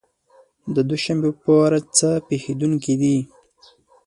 د دوشنبې په ورځ څه پېښېدونکي دي؟